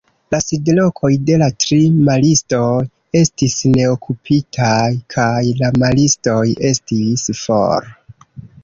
La sidlokoj de la tri maristoj estis neokupitaj kaj la maristoj estis for.